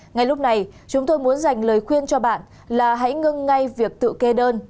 ngay lúc này chúng tôi muốn dành lời khuyên cho bạn là hãy ngưng ngay việc tự kê đơn